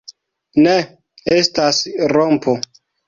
Ne, estas rompo.